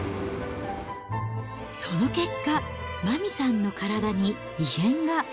その結果、麻美さんの体に異変が。